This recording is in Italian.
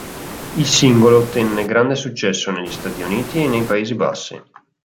Il singolo ottenne grande successo negli Stati Uniti e nei Paesi Bassi.